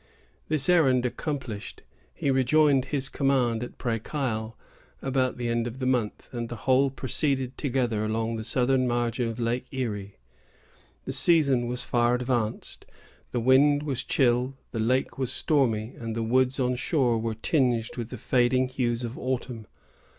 This errand accomplished, he rejoined his command at Presqu' Isle, about the end of the month, and the whole proceeded together along the southern margin of Lake Erie. The season was far advanced. The wind was chill, the lake was stormy, and the woods on shore were tinged with the fading hues of autumn.